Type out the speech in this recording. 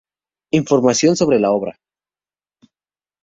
Información sobre la obra